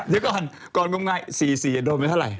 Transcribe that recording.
เดี๋ยวก่อนก่อนงมงาย๔๔โดนไปเท่าไห